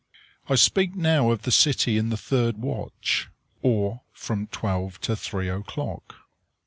I speak now of the city in the third watch, or from twelve to three o'clock.